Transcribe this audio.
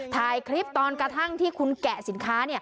ถ่ายคลิปตอนกระทั่งที่คุณแกะสินค้า